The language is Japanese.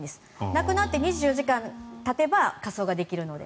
亡くなって２４時間たてば火葬ができるので。